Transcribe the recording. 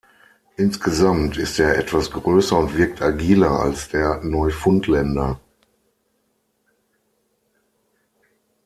Insgesamt ist er etwas größer und wirkt agiler als der Neufundländer.